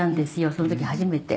その時初めて」